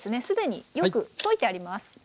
既によく溶いてあります。